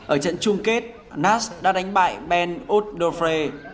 ở trận chung kết nasty đã đánh bại ben oudofre